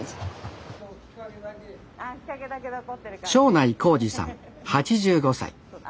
庄内孝治さん８５歳。